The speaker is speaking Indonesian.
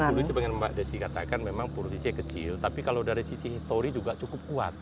jadi bungkulu sebenarnya mbak desi katakan memang produksi kecil tapi kalau dari sisi histori juga cukup kuat